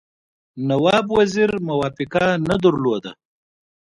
نواب وزیر موافقه نه درلوده.